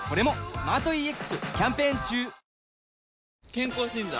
健康診断？